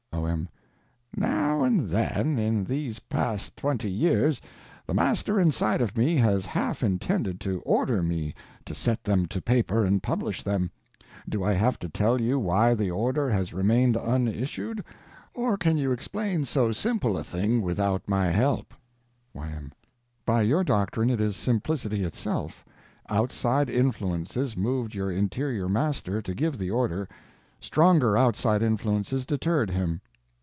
O.M. Now and then, in these past twenty years, the Master inside of me has half intended to order me to set them to paper and publish them. Do I have to tell you why the order has remained unissued, or can you explain so simple a thing without my help? Y.M. By your doctrine, it is simplicity itself: outside influences moved your interior Master to give the order; stronger outside influences deterred him.